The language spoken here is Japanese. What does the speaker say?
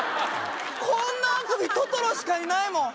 こんなあくびトトロしかいないもん！